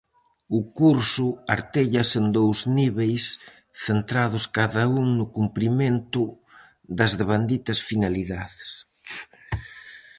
O curso artéllase en dous niveis centrados cada un no cumprimento das devanditas finalidades.